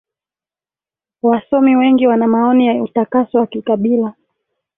wasomi wengi wana maoni ya utakaso wa kikabila